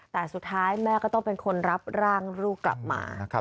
แต่สุดท้ายแม่ก็ต้องเป็นคนรับร่างลูกกลับมา